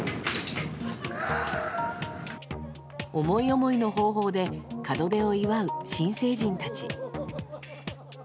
思い思いの方法で門出を祝う新成人たち。